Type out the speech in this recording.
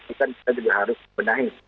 tapi kan kita juga harus menaik